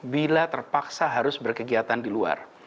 bila terpaksa harus berkegiatan di luar